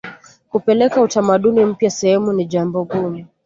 kupeleka utamaduni mpya sehemu ni jambo gumu